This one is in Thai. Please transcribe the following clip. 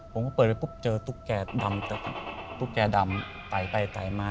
ผมก็เปิดไปปุ๊บเจอตุ๊กแก่ดำตุ๊กแก่ดำไต่ไปไต่มา